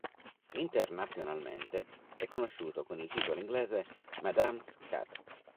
Internazionalmente, è conosciuto con il titolo inglese "Madam's Cat".